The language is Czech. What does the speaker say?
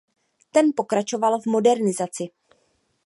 Ten pokračoval v modernizaci.